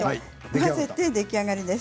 混ぜて出来上がりです。